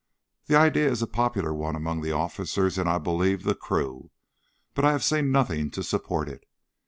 The idea is a popular one among the officers, and, I believe, the crew; but I have seen nothing to support it.